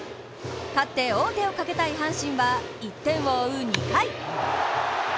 勝って王手をかけたい阪神は１点を追う２回。